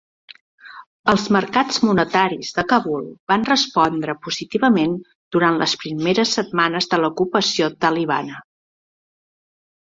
Els mercats monetaris de Kabul van respondre positivament durant les primeres setmanes de l'ocupació talibana.